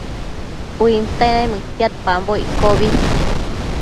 Uinte naimëdtiadpambo iccobi